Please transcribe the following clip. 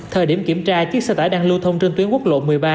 thời điểm kiểm tra chiếc xe tải đang lưu thông trên tuyến quốc lộ một mươi ba